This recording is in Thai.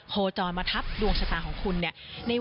โคจรมาทับดวงชะตาของคุณเนี่ย